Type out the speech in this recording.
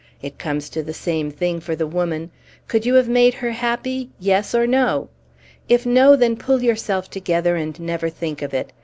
It comes to the same thing for the woman. Could you have made her happy? yes or no! If no, then pull yourself together and never think of it.